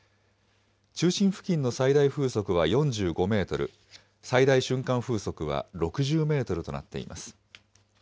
中心付近の最大風速は４５メートル、最大瞬間風速は６０メートルとなっています。